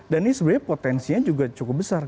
dan ini sebenarnya potensinya juga cukup besar